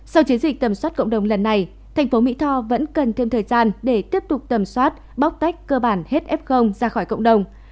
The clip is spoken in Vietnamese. sau chiến dịch tầm soát cộng đồng lần này thành phố mỹ tho vẫn cần thêm thời gian để tiếp tục tầm soát bóc tách cơ bản hết f ra khỏi cộng đồng